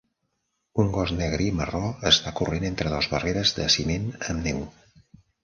Un gos negre i marró està corrent entre dos barreres de ciment amb neu.